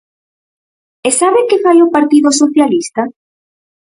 ¿E sabe que fai o Partido Socialista?